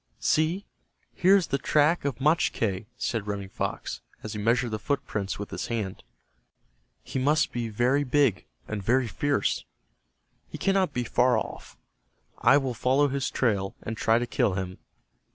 "See, here is the track of Machque," said Running Fox, as he measured the footprints with his hands. "He must be very big, and very fierce. He cannot be far off. I will follow his trail, and try to kill him.